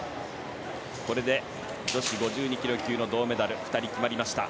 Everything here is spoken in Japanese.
これで、女子５２ｋｇ級の銅メダルが２人決まりました。